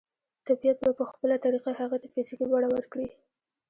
طبيعت به په خپله طريقه هغې ته فزيکي بڼه ورکړي.